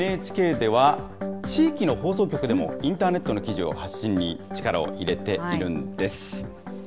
ＮＨＫでは、地域の放送局でもインターネットの記事の発信に力を入れているんです。